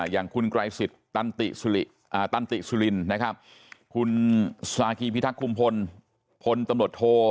อย่างคุณไกรสิทธิ์ตันติสุรินนะครับคุณสาคีพิทักษ์คุมพลพลตำรวจโท